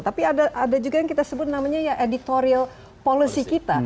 tapi ada juga yang kita sebut editorial policy kita